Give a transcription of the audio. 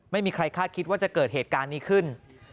ไม่มีใครคาดคิดว่าจะเกิดเหตุการณ์นี้ขึ้น